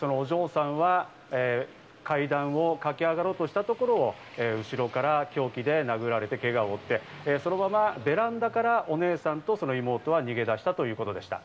そのお嬢さんは階段を駆け上がろうとしたところを後ろから凶器で殴られてけがを負って、そのままベランダからお姉さんと妹は逃げ出したということでした。